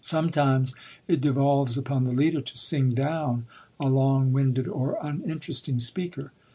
Sometimes it devolves upon the leader to "sing down" a long winded or uninteresting speaker.